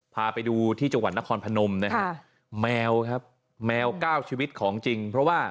พาไปดูที่จังหวัดนครพนมแมวก้าวชีวิตของจริง